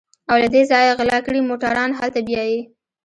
او له دې ځايه غلا کړي موټران هلته بيايي.